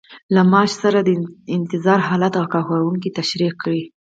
له معاش سره د انتظار حالت او کارکوونکي تشریح کړئ.